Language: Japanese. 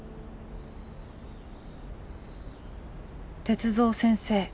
鉄三先生